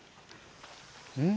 うん？